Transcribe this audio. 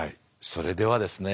それではですね